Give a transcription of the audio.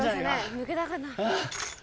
抜けたかな？